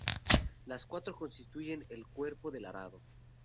Las cuatro constituyen el cuerpo del arado.